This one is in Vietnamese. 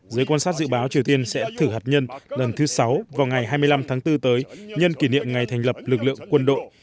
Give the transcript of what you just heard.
giới quan sát dự báo triều tiên sẽ thử hạt nhân lần thứ sáu vào ngày hai mươi năm tháng bốn tới nhân kỷ niệm ngày thành lập lực lượng quân đội